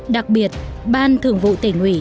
đặc biệt ban thường vụ tỉnh ủy